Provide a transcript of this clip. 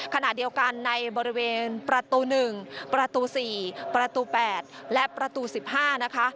ขณะเดียวกันในบริเวณประตู๑ประตู๔ประตู๘และประตู๑๕นะคะ